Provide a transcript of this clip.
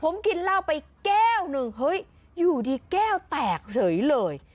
ผมกินเหล้าไปแก้วหนึ่งเฮ้ยอยู่ดีแก้วแตกเฉยเลย